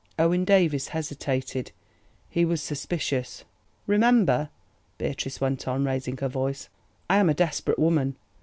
Owen Davies hesitated; he was suspicious. "Remember," Beatrice went on, raising her voice, "I am a desperate woman.